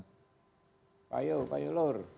pak yo pak yo lor